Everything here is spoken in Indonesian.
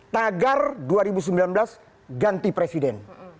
tagar dua ribu sembilan belas ganti presiden